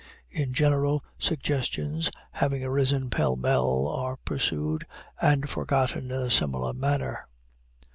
In general, suggestions, having arisen pell mell, are pursued and forgotten in a similar manner.